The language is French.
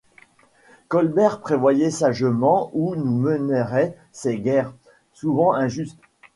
Colbert prévoyait sagement où nous mèneraient ces guerres, souvent injustes.